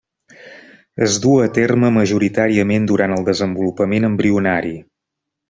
Es duu a terme majoritàriament durant el desenvolupament embrionari.